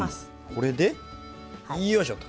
これでよいしょと。